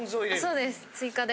そうです追加で。